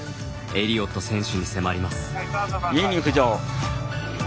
エリオット選手に迫ります。